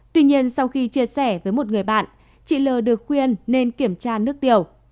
tuy nhiên sau khi chia sẻ với một người bạn chị l được khuyên nên kiểm tra nước tiểu